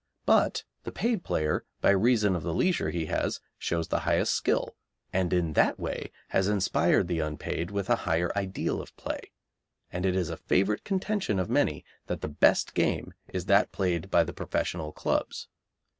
But the paid player, by reason of the leisure he has, shows the highest skill, and in that way has inspired the unpaid with a higher ideal of play, and it is a favourite contention of many that the best game is that played by the professional clubs.